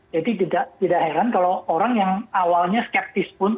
jadi tidak heran kalau orang yang awalnya skeptis pun